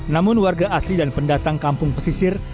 namun warga asli dan pendatang kampung pesisir